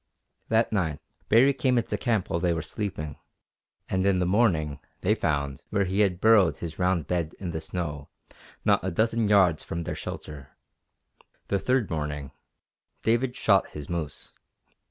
That night Baree came into camp while they were sleeping, and in the morning they found where he had burrowed his round bed in the snow not a dozen yards from their shelter. The third morning David shot his moose.